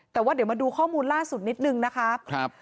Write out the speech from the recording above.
แต่ว่าเดี๋ยวมาดูข้อมูลล่าสุดนิดนึงนะคะ